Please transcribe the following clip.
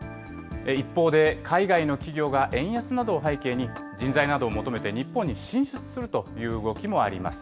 一方で海外の企業が円安などを背景に、人材などを求めて日本に進出するという動きもあります。